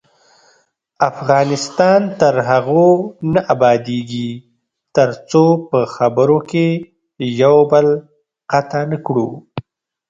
افغانستان تر هغو نه ابادیږي، ترڅو په خبرو کې یو بل قطع نکړو.